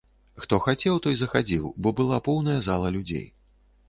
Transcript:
Хто хацеў, той захадзіў, бо была поўная зала людзей.